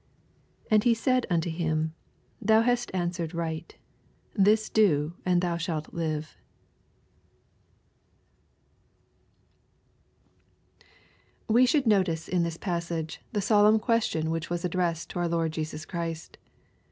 28 And he said nnto him, Thoq hast answered right: this do, and thou Shalt live. x^ 870 EXPOSITORY THOUGHTS. ^> We should notice in this passage^ the solemn question which was addressed to our Lord Jesus Christ.